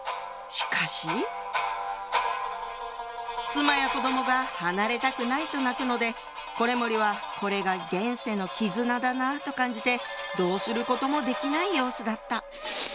しかし妻や子供が離れたくないと泣くので維盛はこれが現世の絆だなと感じてどうすることもできない様子だった。